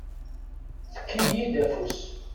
Fek-iyi-d afus.